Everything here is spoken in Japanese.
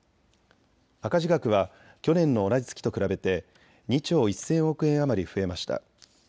赤字額は去年の同じ月と比べて２兆１０００億円余り増えました。